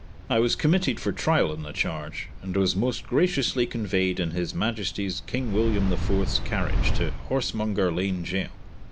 I was committed for trial on the charge, and was most graciously conveyed in His Majestys King William the IV's carriage to Horsemonger Lane Gaol.